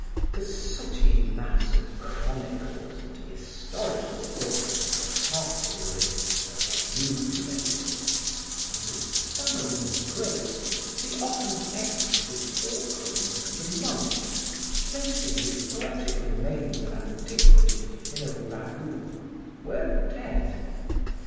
The sooty mass of chronicles and historical books and cartularies accumulated, and the stammering grace, the often exquisite awkwardness of the monks, placing the poetic remains of antiquity in a ragout, were dead.